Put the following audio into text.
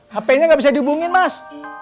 hpnya gak bisa dihubungin mas